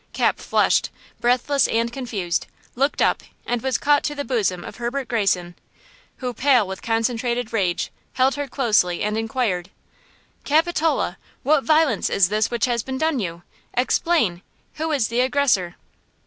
Cap flushed, breathless and confused, looked up and was caught to the bosom of Herbert Greyson, who, pale with concentrated rage, held her closely and inquired: "Capitola! What violence is this which has been done you? Explain! who is the aggressor?"